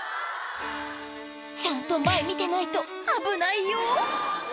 ちゃんと前見てないと危ないよ